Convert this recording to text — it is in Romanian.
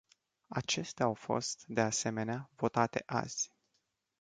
Acestea au fost, de asemenea, votate azi.